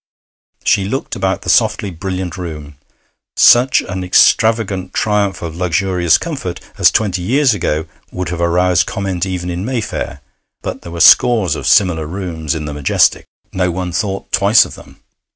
She looked about the softly brilliant room, such an extravagant triumph of luxurious comfort as twenty years ago would have aroused comment even in Mayfair; but there were scores of similar rooms in the Majestic. No one thought twice of them.